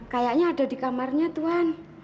kayaknya ada di kamarnya tuhan